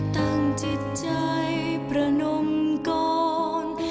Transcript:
ตั้งจิตใจประนมก่อน